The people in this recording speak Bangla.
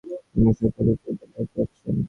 নিসার আলি বুঝতে পারছেন, তিনি তলিয়ে যাচ্ছেন।